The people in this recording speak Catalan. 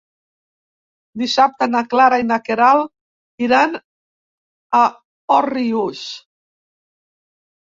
Dissabte na Clara i na Queralt iran a Òrrius.